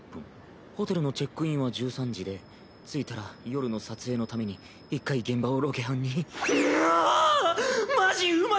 ホテルのチェックインは１３時で着いたら夜の撮影のために一回現場をロケハンに。